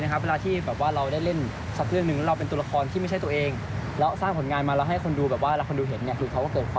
ให้เราแบบเหมือนมาหาประสบการณ์นะครับ